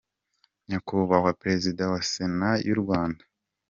-Nyakubahwa Perezida wa Sena y’u Rwanda